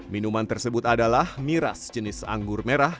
minuman tersebut adalah miras jenis anggur merah